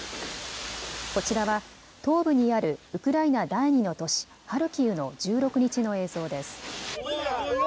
こちらは東部にあるウクライナ第２の都市、ハルキウの１６日の映像です。